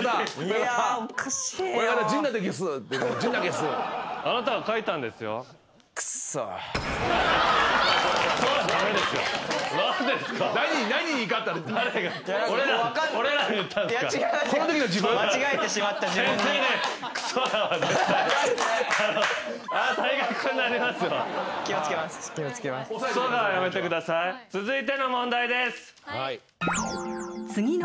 はい。